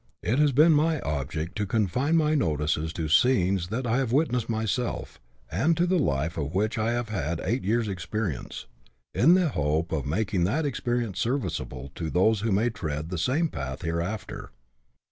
It has been my object to confine my notices to scenes that I have witnessed myself, and to the life of which I have had eight years' experience, in the hope of making that experience serviceable to those who may tread the same path hereafter.